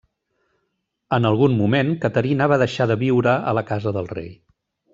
En algun moment Caterina va deixar de viure a la casa del rei.